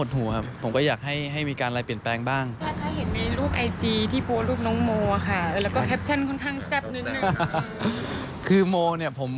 แล้วก็คงไม่มีอะไรที่ต้องเป็นคู่จิ้น